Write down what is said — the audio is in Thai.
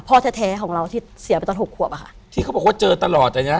พ่อแท้แท้ของเราที่เสียไปตอนหกขวบอะค่ะที่เขาบอกว่าเจอตลอดแต่เนี้ย